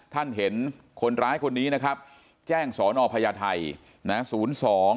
ท่านเห็นคนร้ายคนนี้นะครับแจ้งสอนอพยาไทย